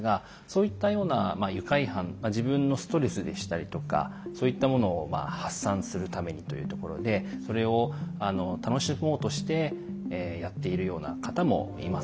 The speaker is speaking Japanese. そういったようなまあ愉快犯自分のストレスでしたりとかそういったものをまあ発散するためにというところでそれをあの楽しもうとしてやっているような方もいます。